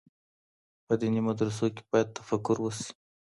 په ديني مدرسو کي بايد تفکر وسي.